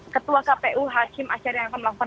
ketua kpu hakim aceh yang akan melakukan